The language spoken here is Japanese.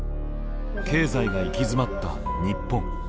経済が行き詰まった日本。